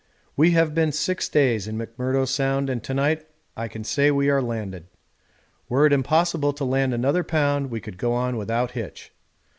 We have been six days in McMurdo Sound and to night I can say we are landed. Were it impossible to land another pound we could go on without hitch.